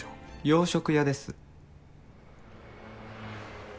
洋食屋です。